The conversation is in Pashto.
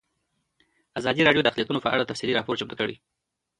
ازادي راډیو د اقلیتونه په اړه تفصیلي راپور چمتو کړی.